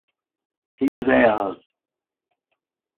He was ours.